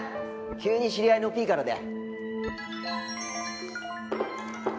急に知り合いのＰからで。